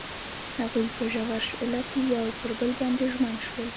هغوی په ژور شعله کې پر بل باندې ژمن شول.